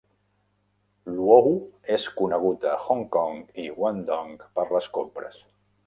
Luohu és conegut a Hong Kong i Guangdong per les compres.